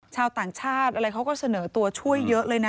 ชาวต่างชาติอะไรเขาก็เสนอตัวช่วยเยอะเลยนะ